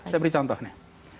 saya beri contoh nih